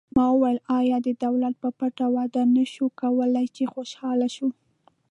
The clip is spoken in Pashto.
ما وویل: آیا د دولت په پټه واده نه شو کولای، چې خوشحاله شو؟